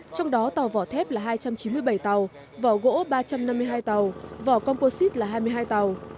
trong đó tàu vỏ thép là hai trăm chín mươi bảy tàu vỏ gỗ ba trăm năm mươi hai tàu vỏ composite là hai mươi hai tàu